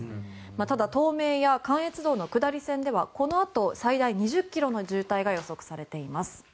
ただ、東名や関越道の下り線ではこのあと最大２０ｋｍの渋滞が予測されています。